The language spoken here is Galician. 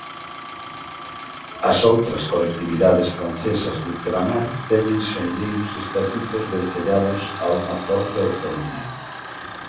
As outras colectividades francesas de ultramar teñen senlleiros estatutos vencellados a unha forte autonomía.